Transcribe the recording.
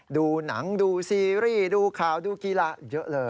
ดูหนังดูซีรีส์ดูข่าวดูกีฬาเยอะเลย